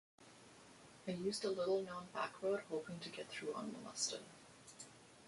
I used a little-known back road hoping to get through unmolested.